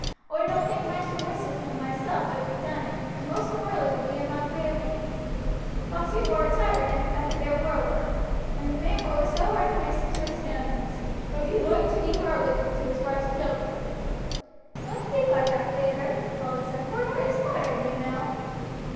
Oi don't think much the worst of him myself if he done it, and most in Varley will be o' my way o' thinking. Foxey war a tyrant if ever there war one, and the man what was so hard a maister to his hands would be loike to be hard to his wife's children." "Don't speak like that, feyther," Polly said; "murder is murder, you know."